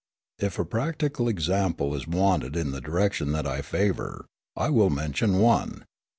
If a practical example is wanted in the direction that I favour, I will mention one.